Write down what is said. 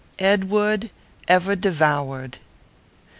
EDWARD EVERDEVOURED.